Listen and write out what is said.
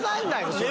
それ。